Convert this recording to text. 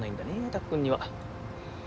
たっくんには。